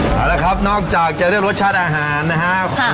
เอาละครับนอกจากจะเรียกรสชาติอาหารนะครับ